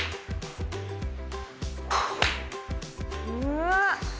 うわっ！